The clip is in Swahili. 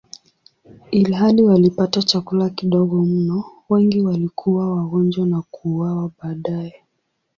Ilhali walipata chakula kidogo mno, wengi walikuwa wagonjwa na kuuawa baadaye.